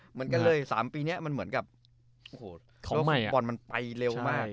เหมือนกันเลย๓ปีนี้มันเหมือนกับโอ้โหบอลมันไปเร็วมาก